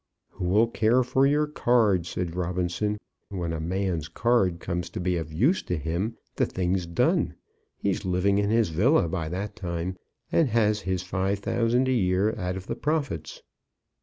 "Who'll care for your card?" said Robinson. "When a man's card comes to be of use to him, the thing's done. He's living in his villa by that time, and has his five thousand a year out of the profits."